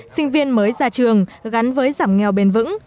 sinh viên mới ra trường gắn với giảm nghèo bền vững